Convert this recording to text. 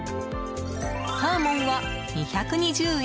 サーモンは２２０円